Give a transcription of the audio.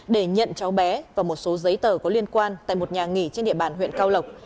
để nhận cháu bé và một số giấy tờ có liên quan tại một nhà nghỉ trên địa bàn huyện cao lộc